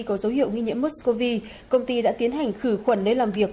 có dấu hiệu nghi nhiễm mers cov công ty đã tiến hành khử khuẩn lấy làm việc